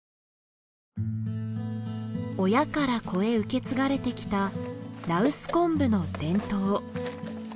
親から子へ受け継がれてきた羅臼昆布の伝統。